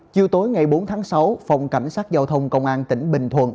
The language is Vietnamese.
chiều tối ngày bốn tháng sáu phòng cảnh sát giao thông công an tỉnh bình thuận